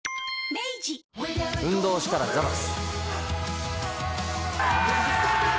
明治運動したらザバス。